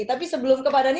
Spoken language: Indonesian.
tapi sebelum ke pak dhani